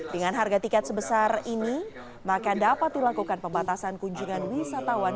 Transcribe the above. dengan harga tiket sebesar ini maka dapat dilakukan pembatasan kunjungan wisatawan